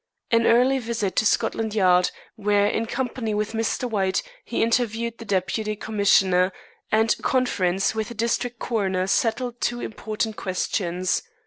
An early visit to Scotland Yard, where, in company with Mr. White, he interviewed the Deputy Commissioner, and a conference with the district coroner settled two important questions.